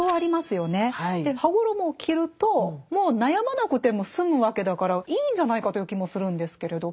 羽衣を着るともう悩まなくても済むわけだからいいんじゃないかという気もするんですけれど。